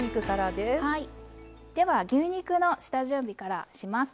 では牛肉の下準備からします。